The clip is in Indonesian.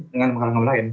dengan orang orang lain